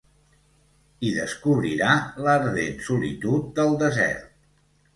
Hi descobrirà l'ardent solitud del desert.